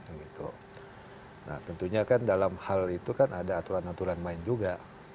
nah tentunya kan dalam hal itu kan ada aturan aturan main juga